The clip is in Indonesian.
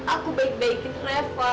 aku baik baikin reva